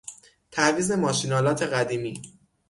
تعویض ماشین آلات قدیمی